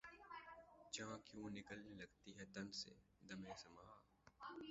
جاں کیوں نکلنے لگتی ہے تن سے‘ دمِ سماع